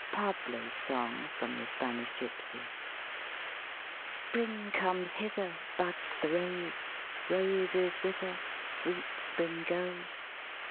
PABLO'S SONG FROM "THE SPANISH GYPSY "" Spring conies hither, Buds the rose; Roses wither, Sweet spring goes.